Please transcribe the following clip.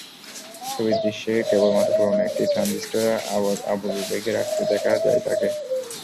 ছবির দৃশ্যে কেবলমাত্র পুরোনো একটি ট্রানজিস্টরে আবরু ঢেকে রাখতে দেখা যায় তাঁকে।